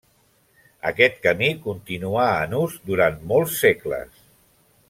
Aquest camí continuà en ús durant molts segles.